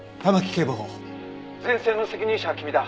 警部補前線の責任者は君だ。